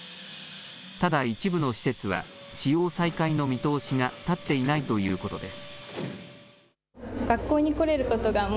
ただ一部の施設は、使用再開の見通しが立っていないということです。